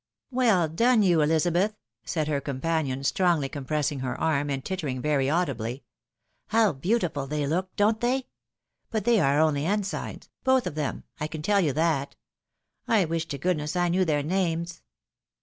" WeU done you, Ehzabeth !" said her companion, strongly compressing her arm, and tittering very audibly. "How beauti ful they look ! don't they ? But they are only ensigns, both of them, I can tell you that. I wish to goodness I knewtheir names."